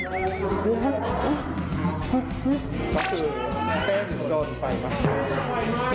ว่าพ่อจังเลยไปดีกว่า